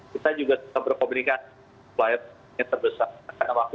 kita juga berkomunikasi dengan klien yang terbesar